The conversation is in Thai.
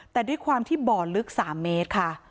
แต่ด้วยความที่บ่อลึก๓เมตรค่ะ